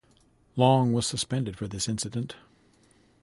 Long was suspended for this incident.